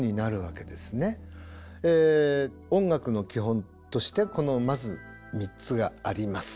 音楽の基本としてこのまず３つがあります。